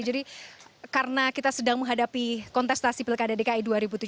jadi karena kita sedang menghadapi kontestasi pilkada dki dua ribu tujuh belas